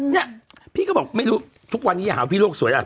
เนี่ยพี่ก็บอกไม่รู้ทุกวันนี้อย่าหาว่าพี่โลกสวยอ่ะ